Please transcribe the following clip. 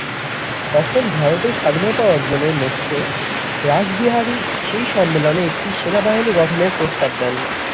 তখন ভারতের স্বাধীনতা অর্জনের লক্ষ্যে রাসবিহারী সেই সম্মেলনে একটি সেনাবাহিনী গঠনের প্রস্তাব দেন।